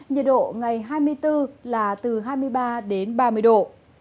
nhiệt độ ngày hai mươi bốn là từ hai mươi ba đến ba mươi độ